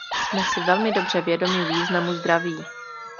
Jsme si velmi dobře vědomi významu zdraví.